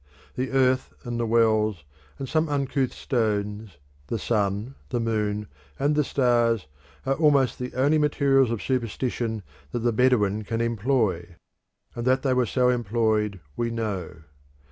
The earth and the wells and some uncouth stones, the sun, the moon, and the stars are almost the only materials of superstition that the Bedouin can employ; and that they were so employed we know.